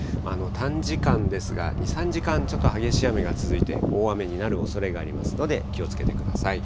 短時間ですが、２、３時間、ちょっと激しい雨が続いて、大雨になるおそれがありますので気をつけてください。